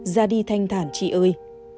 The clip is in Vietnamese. ra đi thanh thản chị ơi